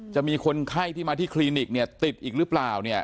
จะมีคนไข้ที่มาที่คลินิกเนี่ยติดอีกหรือเปล่าเนี่ย